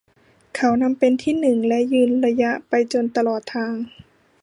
เขานำเป็นที่หนึ่งและยืนระยะไปจนตลอดทาง